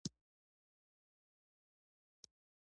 اسیایانو تر دې هم ډېر پخوا بېړۍ چلولې.